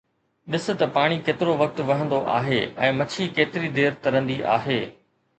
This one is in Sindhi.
ڏس ته پاڻي ڪيترو وقت وهندو آهي ۽ مڇي ڪيتري دير ترندي آهي.